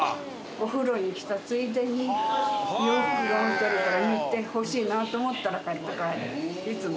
お風呂に来たついでに洋服が置いてあるから見て欲しいなと思ったら買って帰るいつも。